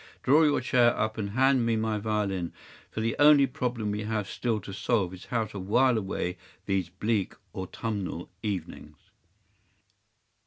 Draw your chair up, and hand me my violin, for the only problem we have still to solve is how to while away these bleak autumnal evenings.